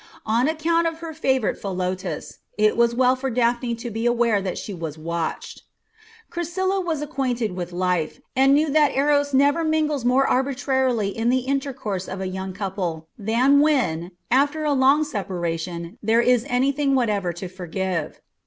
On account of her favourite Philotas, it was well for Daphne to be aware that she was watched. Chrysilla was acquainted with life, and knew that Eros never mingles more arbitrarily in the intercourse of a young couple than when, after a long separation, there is anything whatever to forgive.